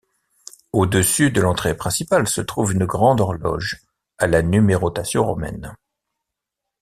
Au-dessus de l’entrée principale se trouve une grande horloge à la numérotation romaine.